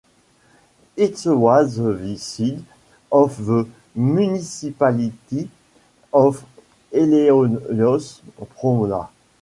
It was the seat of the municipality of Eleios-Pronnoi.